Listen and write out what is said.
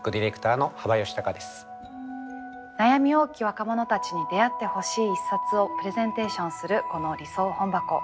悩み多き若者たちに出会ってほしい一冊をプレゼンテーションするこの「理想本箱」。